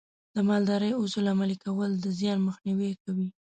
د مالدارۍ اصول عملي کول د زیان مخنیوی کوي.